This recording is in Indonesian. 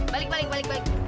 balik balik balik